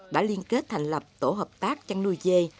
đã liên kết thành lập tổ hợp tác chăn nuôi dê